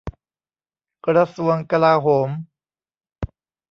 กระทรวงกลาโหม